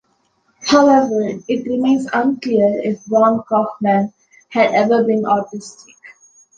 However, it remains unclear if Raun Kaufman had ever been autistic.